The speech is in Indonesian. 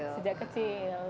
sejak kecil gitu